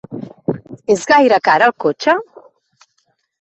És gaire car el cotxe?